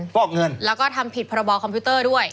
ฟอกเงินแล้วก็ทำผิดพรบคอมพิวเตอร์ด้วย